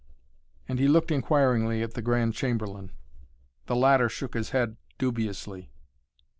And he looked inquiringly at the Grand Chamberlain. The latter shook his head dubiously.